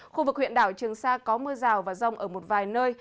khu vực huyện đảo trường sa có mưa rào và rông ở một vài nơi